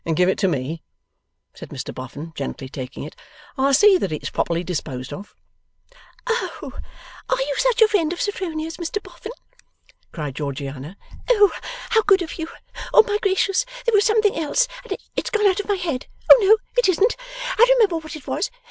'Give it to me,' said Mr Boffin, gently taking it. 'I'll see that it's properly disposed of.' 'Oh! are you such a friend of Sophronia's, Mr Boffin?' cried Georgiana. 'Oh, how good of you! Oh, my gracious! there was something else, and it's gone out of my head! Oh no, it isn't, I remember what it was.